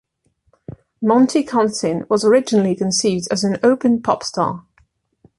Monty Cantsin was originally conceived as an open pop star.